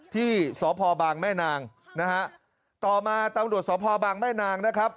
ที่สพบางแม่นางนะฮะต่อมาตำรวจสพบางแม่นางนะครับ